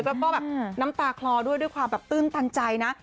แล้วก็แบบน้ำตาคลอด้วยด้วยความแบบตื้นตันใจนะ